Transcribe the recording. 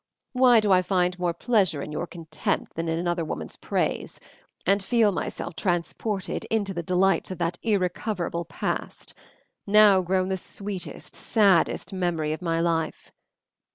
Why do I find more pleasure in your contempt than in another woman's praise, and feel myself transported into the delights of that irrecoverable past, now grown the sweetest, saddest memory of my life?